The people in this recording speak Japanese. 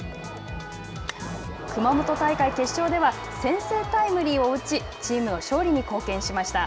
熊本大会決勝では先制タイムリーを打ちチームの勝利に貢献しました。